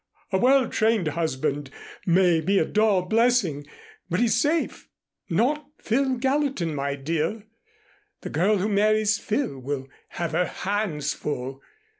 A well trained husband may be a dull blessing, but he's safe. Not Phil Gallatin, my dear. The girl who marries Phil will have her hands full.